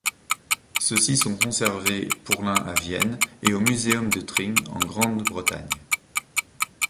Ceux-ci sont conservés pour l'un à Vienne et au Muséum de Tring en Grande-Bretagne.